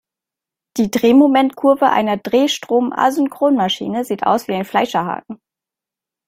Die Drehmomentkurve einer Drehstrom-Asynchronmaschine sieht aus wie ein Fleischerhaken.